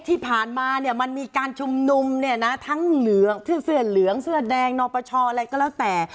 ที่ผ่านมามันมีการชุมนุมทั้งเสื้อเหลืองเสื้อแดงนอกประชาอะไรก็แล้วแต่